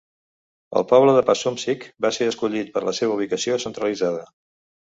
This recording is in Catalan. El poble de Passumpsic va ser escollit per la seva ubicació centralitzada.